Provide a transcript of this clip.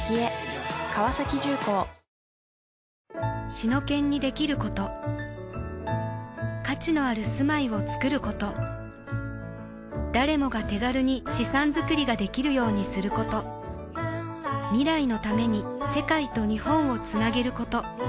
シノケンにできること価値のある住まいをつくること誰もが手軽に資産づくりができるようにすること未来のために世界と日本をつなげること